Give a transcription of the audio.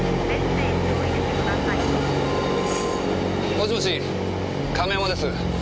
もしもし亀山です。